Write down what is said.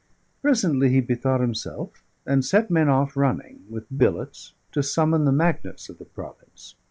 Presently he bethought himself, and set men off running, with billets, to summon the magnates of the province.